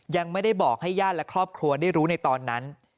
ยังไม่ได้บอกให้ญาติและครอบครัวได้รู้ในตอนนั้น